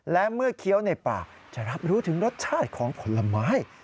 และเมื่อเคี้ยวในปากจะรับรู้ถึงรสชาติของผลไม้